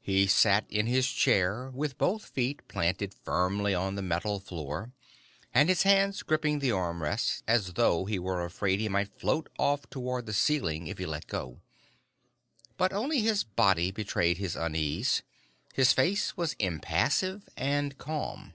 He sat in his chair with both feet planted firmly on the metal floor, and his hands gripping the armrests as though he were afraid he might float off toward the ceiling if he let go. But only his body betrayed his unease; his face was impassive and calm.